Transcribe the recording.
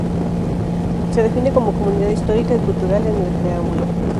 Se define como "Comunidad histórica y cultural" en el preámbulo.